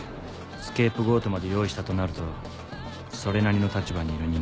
スケープゴートまで用意したとなるとそれなりの立場にいる人間。